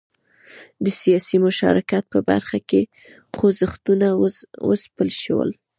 د سیاسي مشارکت په برخه کې خوځښتونه وځپل شول.